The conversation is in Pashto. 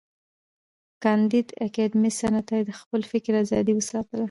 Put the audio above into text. کانديد اکاډميسن عطایي د خپل فکر آزادی وساتله.